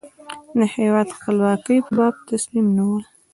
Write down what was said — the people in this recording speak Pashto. د هېواد خپلواکۍ په باب تصمیم نیول.